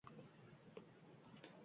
pochta qutisiga xatni bir amallab soldi.